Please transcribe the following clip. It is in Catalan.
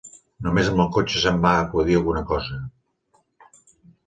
Només amb el cotxe se'm va acudir alguna cosa.